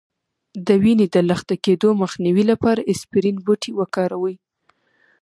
د وینې د لخته کیدو مخنیوي لپاره اسپرین بوټی وکاروئ